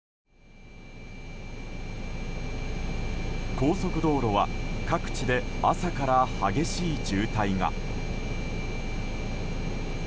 高速道路は各地で朝から激しい渋滞が。